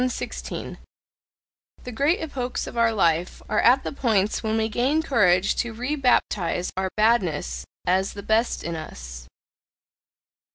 The great epochs of our life are at the points when we gain courage to rebaptize our badness as the best in us.